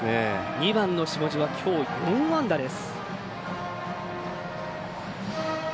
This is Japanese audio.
２番の下地はきょう４安打です。